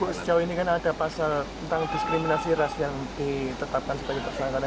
bu sejauh ini kan ada pasal tentang diskriminasi ras yang ditetapkan sebagai tersangka